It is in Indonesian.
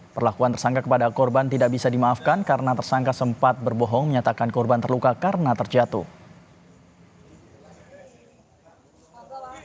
perlakuan tersangka kepada korban tidak bisa dimaafkan karena tersangka sempat berbohong menyatakan korban terluka karena terjatuh